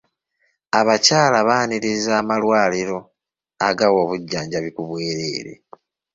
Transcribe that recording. Abakyala baaniriza amalwaliro agawa obujjanjabi ku bwereere.